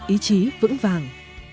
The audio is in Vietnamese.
ý chí vững vàng